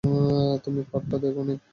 তুমি ফাঁদটা দেখোনি?